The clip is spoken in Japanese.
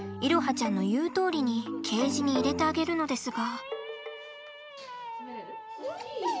ちゃんの言うとおりにケージに入れてあげるのですが。